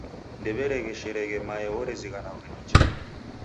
Ndew'eregheshereghe mae orezighanwagha nicha.